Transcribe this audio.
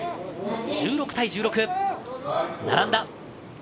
１６対１６、並んだ。